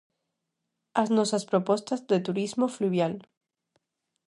As nosas propostas de turismo fluvial.